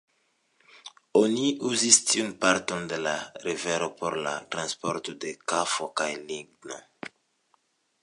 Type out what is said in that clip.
Oni uzis tiun parton de la rivero por la transporto de kafo kaj ligno.